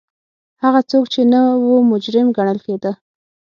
هغه څوک چې نه و مجرم ګڼل کېده.